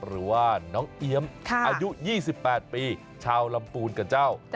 หรือว่าน้องเอี๊ยมอายุ๒๘ปีชาวลำปูนกับเจ้า